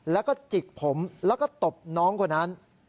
แล้วก็จิกผมแล้วก็ตบน้องคนนั้น